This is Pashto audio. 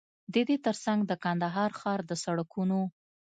ددې تر څنګ د کندهار ښار د سړکونو